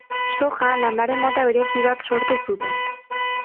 Soja landare mota berezi bat sortu zuten.